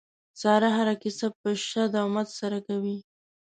ساره هره کیسه په شد او مد سره کوي.